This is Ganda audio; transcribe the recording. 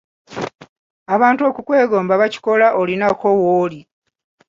Abantu okukwegomba bakikola olinako w’oli.